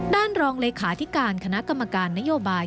รองเลขาธิการคณะกรรมการนโยบาย